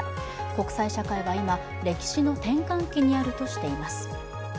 国際社会は今、歴史の転換期にあるとしています。